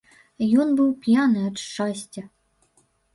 Ён быў п'яны ад шчасця.